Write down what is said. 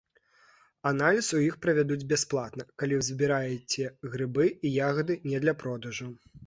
Аналіз у іх правядуць бясплатна, калі вы збіраеце грыбы і ягады не для продажу.